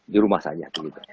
di rumah saja